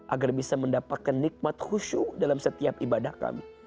agar bisa mendapatkan nikmat khusyuk dalam setiap ibadah kami